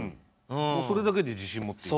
それだけで自信持っていい。